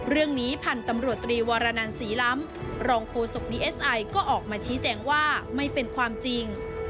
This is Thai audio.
เรื่องนี้พันธุ์ตำรวจตรีวรนันศรีล้ำรองโฆษกดีเอสไอก็ออกมาชี้แจงว่าไม่เป็นความจริง